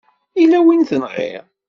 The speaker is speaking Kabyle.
Yella wi tenɣiḍ?